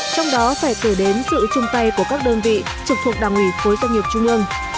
trong đó phải kể đến sự chung tay của các đơn vị trực thuộc đảng ủy phối doanh nghiệp trung ương